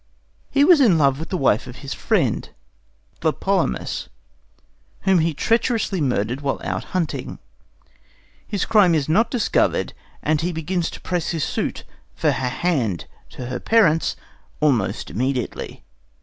He was in love with the wife of his friend, Tlepolemus, whom he treacherously murdered while out hunting. His crime is not discovered, and he begins to press his suit for her hand to her parents almost immediately.